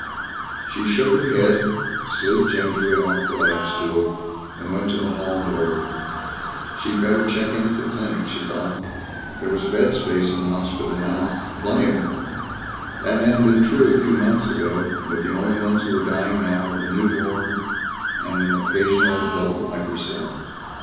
She shook her head, slid gingerly off the lab stool and went to the hall door. She'd better check in at the clinic, she thought. There was bed space in the hospital now. Plenty of it. That hadn't been true a few months ago but the only ones who were dying now were the newborn and an occasional adult like herself.